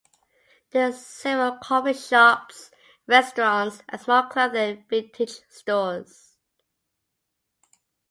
There are several coffee shops, restaurants, and small clothing and vintage stores.